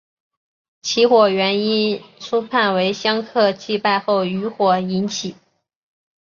起火原因初判为香客祭拜后余火引起。